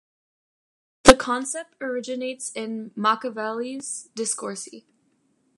The concept originates in Machiavelli's "Discorsi".